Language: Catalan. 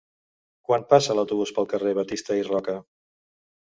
Quan passa l'autobús pel carrer Batista i Roca?